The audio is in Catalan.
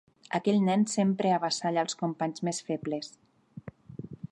Aquell nen sempre avassalla els companys més febles.